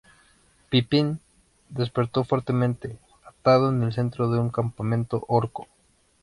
Pippin despertó, fuertemente atado, en el centro de un campamento orco...